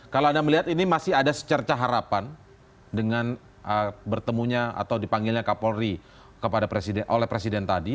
kalau anda melihat ini masih ada secerca harapan dengan bertemunya atau dipanggilnya kapolri oleh presiden tadi